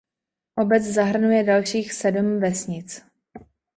Obec zahrnuje dalších sedm vesnic.